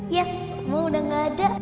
yes mau udah gak ada